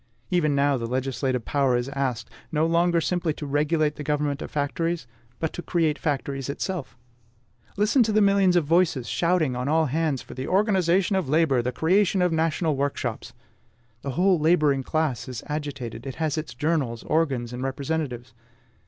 Even now the legislative power is asked, no longer simply to regulate the government of factories, but to create factories itself. Listen to the millions of voices shouting on all hands for THE ORGANISATION OF LABOR, THE CREATION OF NATIONAL WORKSHOPS! The whole laboring class is agitated: it has its journals, organs, and representatives.